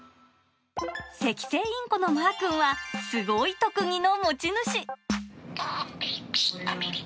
セキセイインコのまーくんは、すごい特技の持ち主。